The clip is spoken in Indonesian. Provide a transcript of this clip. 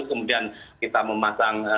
kemudian kita memasang